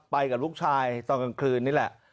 ไปกับลูกชายตอนกลางคืนนี่แหละ